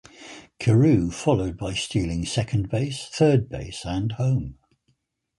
Carew followed by stealing second base, third base and home.